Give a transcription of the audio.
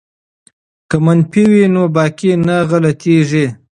که منفي وي نو باقی نه غلطیږي.